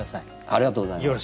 ありがとうございます。